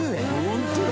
ホントだ！